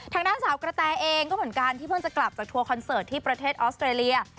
ทางด้านสาวกระแตเองก็เหมือนกันที่เพิ่งจะกลับจากทัวร์คอนเสิร์ตที่ประเทศออสเตรเลีย